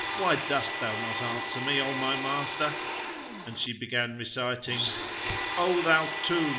Why dost thou not answer me, O my master? and she began reciting:— O thou tomb!